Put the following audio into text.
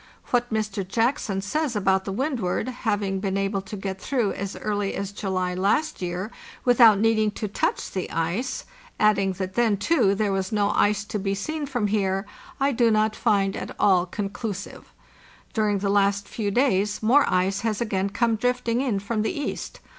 What Mr. Jackson says about the Windward MR. JACKSON AT ELMWOOD having been able to get through as early as July last year without needing to touch the ice, adding that then, too, there was no ice to be seen from here, I do not find at all conclusive. During the last few days more ice has again come drifting in from the east.